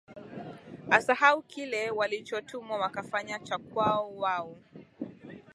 asahau kile walichotumwa wakafanya cha kwao wao